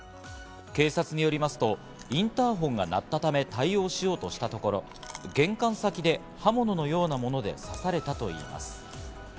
警察によりますとインターホンが鳴ったため対応しようとしたところ、玄関先で刃物のようなもので刺されたといいます。